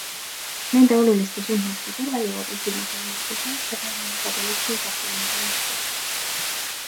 Nende oluliste sündmuste kõrval jõuab esimese ümmarguse aastapäevani ka politsei kaplaniteenistus.